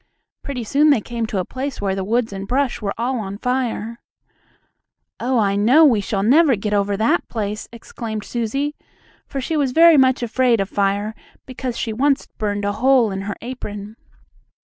Pretty soon they came to a place where the woods and brush were all on fire. "Oh, I know we shall never get over that place!" exclaimed Susie, for she was very much afraid of fire, because she once burned a hole in her apron.